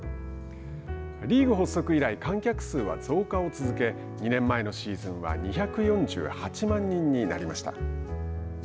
リーグ発足以来観客数は増加を続け２年前のシーズンは２４８万人になりました。